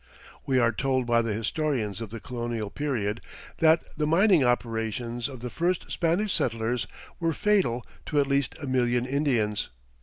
We are told by the historians of the colonial period that the mining operations of the first Spanish settlers were fatal to at least a million Indians.